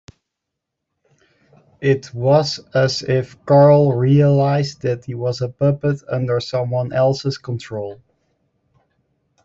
It was as if Carl realised that he was a puppet under someone else's control.